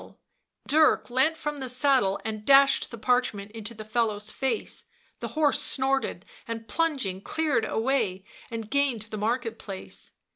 One seized his bridle; Dark leant from the saddle and dashed the parchment into the fellow's face, the horse snorted, and plunging cleared a way and gained the market place.